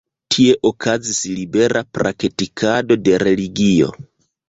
Tie okazis libera praktikado de religio.